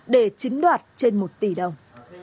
để chính đoạt trên một tỷ đồng